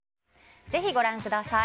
ぜひご覧ください。